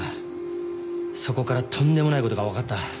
そこからとんでもないことが分かった。